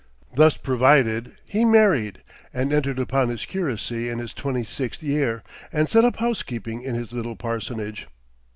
Thus provided, he married, and entered upon his curacy in his twenty sixth year, and set up housekeeping in his little parsonage.